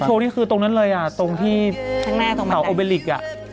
โชคที่คือตรงนั้นเลยตรงที่เตาโอเบริก